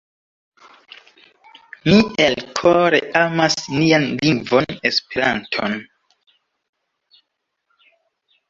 Mi elkore amas nian lingvon Esperanton.